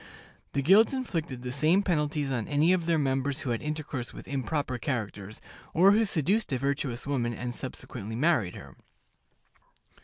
The guilds inflicted the same penalties on any of their members who had intercourse with improper characters, or who seduced a virtuous woman and subsequently married her.